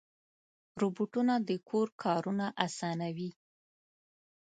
روبوټونه د کور کارونه اسانوي.